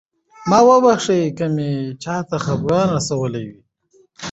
ما وبښئ که مې چاته خفګان رسولی وي.